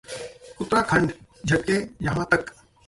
उत्तराखंडः झटके यहां तक